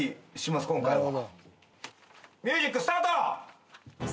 ミュージックスタート！